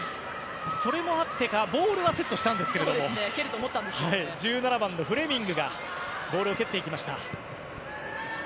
それもあってかボールはセットしたんですが１７番のフレミングがボールを蹴っていきました。